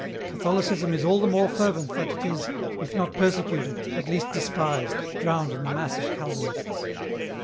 Catholicism is all the more fervent that it is, if not persecuted, at least despised, drowned in the mass of Calvinists.